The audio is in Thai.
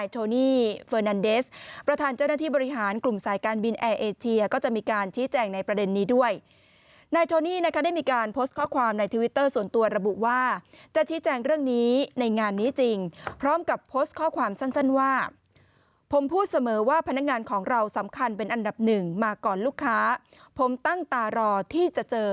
ที่จะเจอทุกคนในวันพรุ่งนี้